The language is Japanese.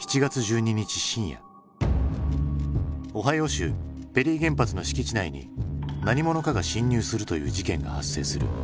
深夜オハイオ州ペリー原発の敷地内に何者かが侵入するという事件が発生する。